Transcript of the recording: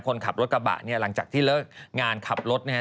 คนขับรถกระบะเนี่ยหลังจากที่เลิกงานขับรถนะครับ